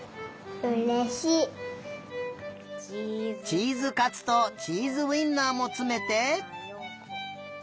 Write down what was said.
チーズかつとチーズウインナーもつめて。